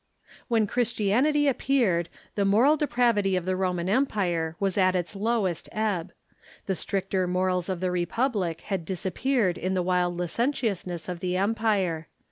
When Christianity appeared, the moral depravity of the Roman Empire was at its lowest ebb. The stricter morals of the republic had disappeared in the wild licentiousness of the empire.